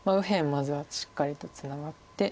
まずはしっかりとツナがって。